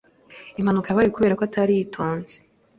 Impanuka yabaye kubera ko atari yitonze.